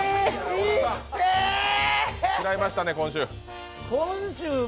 食らいましたね、今週。